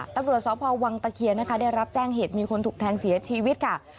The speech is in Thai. ตัวประวัติศาสตร์ศพวังตะเคียร์ได้รับแจ้งเหตุมีคนถูกแทงเสียชีวิตค่ะ